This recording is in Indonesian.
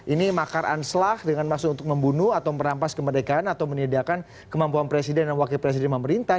ini makar anslah dengan maksud untuk membunuh atau merampas kemerdekaan atau menyediakan kemampuan presiden dan wakil presiden pemerintah